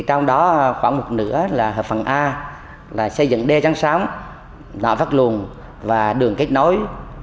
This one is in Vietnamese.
trong đó khoảng một nửa là phần a là xây dựng đê trắng sóng nọ vắt luồng và đường kết nối